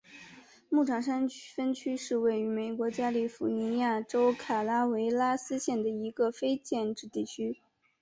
牧场山分区是位于美国加利福尼亚州卡拉韦拉斯县的一个非建制地区。